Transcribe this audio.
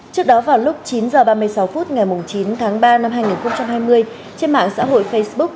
trước đó vào lúc chín h ba mươi sáu phút ngày chín tháng ba năm hai nghìn hai mươi trên mạng xã hội facebook